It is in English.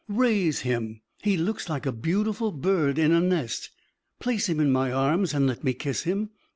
Raise him he looks like a beautiful bird in a nest. Place him in my arms, and let me kiss him.